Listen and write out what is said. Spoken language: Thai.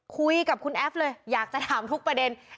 คุยกับคุณแอฟเลยอยากจะถามทุกประเด็น